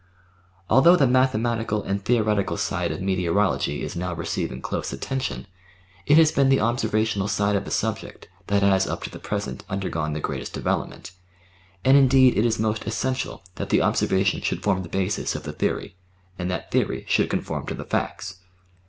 Although the mathematical and theoretical side of meteor ology is now receiving close attention, it has been the observa tional side of the subject that has up to the present undergone the greatest development, and indeed it is most essential that the observation should form the basis of the theory, and that theory should conform to the facts.